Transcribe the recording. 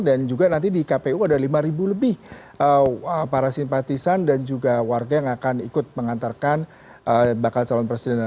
dan juga nanti di kpu ada lima ribu lebih para simpatisan dan juga warga yang akan ikut mengantarkan bakal calon presiden